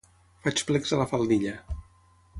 Faig plecs a la faldilla.